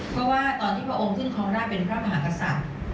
เพราะว่าตอนที่พระองค์ขึ้นครองราชเป็นพระมหากษัตริย์